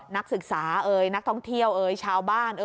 นักศึกษานักท่องเที่ยวชาวบ้าน